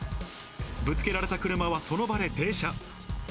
ぶつけられた車はその場で停車。